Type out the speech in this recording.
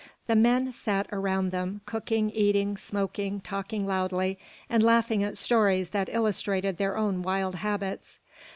The men sat around them, cooking, eating, smoking, talking loudly, and laughing at stories that illustrated their own wild habits.